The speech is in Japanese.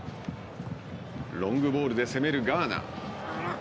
ロングボールで攻めるガーナ。